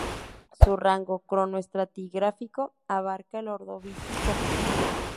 Su rango cronoestratigráfico abarca el Ordovícico.